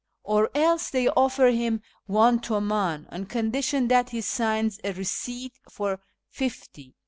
Or else they offer him one tumdn on condition that he signs a receipt for fifty."